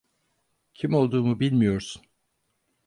Kim olduğumu bilmiyorsun.